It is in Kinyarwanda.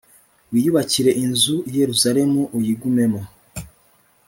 wiyubakire inzu i yerusalemu uyigumemo